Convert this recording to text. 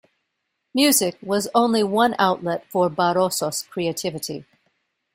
Music was only one outlet for Barroso's creativity.